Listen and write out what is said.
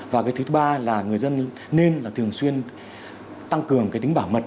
và cái thứ ba là người dân nên là thường xuyên tăng cường cái tính bảo mật